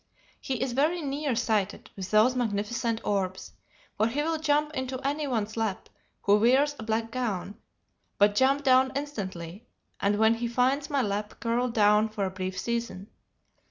He is very near sighted with those magnificent orbs, for he will jump into any one's lap, who wears a black gown, but jump down instantly, and when he finds my lap curl down for a brief season.